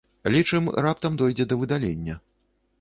Лічым, раптам дойдзе да выдалення.